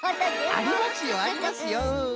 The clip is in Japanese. ありますよありますよ。